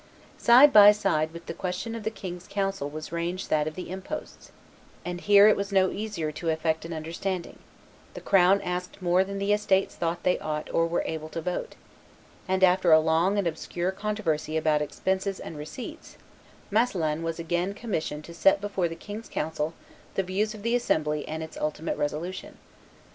Side by side with the question of the king's council was ranged that of the imposts; and here it was no easier to effect an understanding: the crown asked more than the estates thought they ought or were able to vote; and, after a long and obscure controversy about expenses and receipts, Masselin was again commissioned to set before the king's council the views of the assembly and its ultimate resolution.